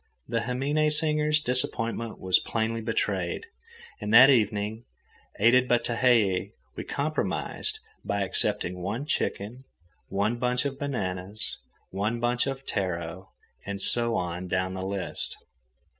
The himine singers' disappointment was plainly betrayed, and that evening, aided by Tehei, we compromised by accepting one chicken, one bunch of bananas, one bunch of taro, and so on down the list.